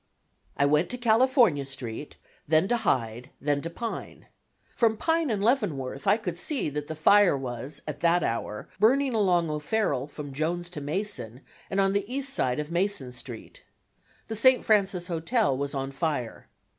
I went to California Street, then to Hyde, then to Pine. From Pine and Leavenworth I could see that the fire was at that hour burning along O'Farrell from Jones to Mason and on the east side of Mason Street. The St. Francis Hotel was on fire.